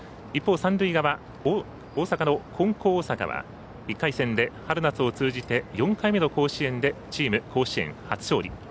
一方三塁側、大阪の金光大阪は１回戦で春夏通じて４回目の甲子園でチーム甲子園初勝利。